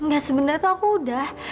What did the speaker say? enggak sebenarnya aku udah